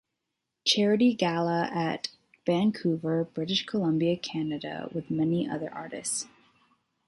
Charity Gala at Vancouver, British Columbia, Canada with many other artists.